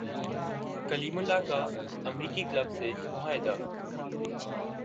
کلیم اللہ کا امریکی کلب سے معاہدہ